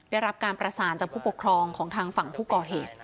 ได้รับการประสานจากผู้ปกครองของทางฝั่งผู้ก่อเหตุ